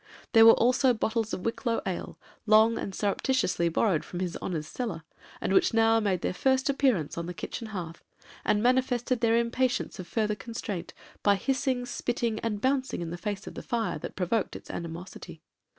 There were also bottles of Wicklow ale, long and surreptitiously borrowed from his 'honor's' cellar, and which now made their first appearance on the kitchen hearth, and manifested their impatience of further constraint, by hissing, spitting, and bouncing in the face of the fire that provoked its animosity.